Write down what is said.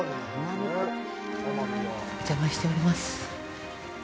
お邪魔しております。